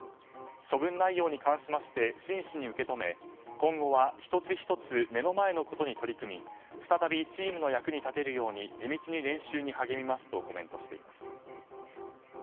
処分内容に関しまして真摯に受け止め今後は１つ１つ目の前のことに取り組み再びチームの役に立てるように地道に練習に励みますとコメントしています。